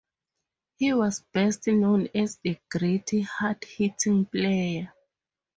He was best known as a gritty hard-hitting player.